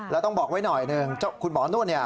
แล้วต้องบอกไว้หน่อยหนึ่งเจ้าคุณหมอนุ่นเนี่ย